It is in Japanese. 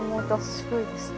すごいですね。